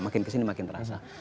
makin kesini makin terasa